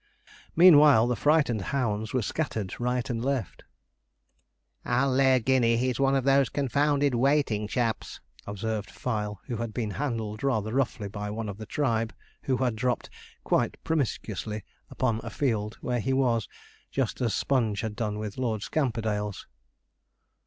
Meanwhile the frightened hounds were scattered right and left. 'I'll lay a guinea he's one of those confounded waiting chaps,' observed Fyle, who had been handled rather roughly by one of the tribe, who had dropped 'quite promiscuously' upon a field where he was, just as Sponge had done with Lord Scamperdale's.